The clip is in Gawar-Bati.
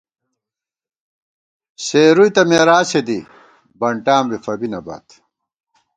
سېرُوئی تہ مېراثے دی ، بنٹاں بی فَبی نہ بات